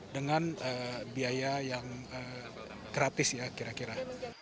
dengan biaya yang gratis ya kira kira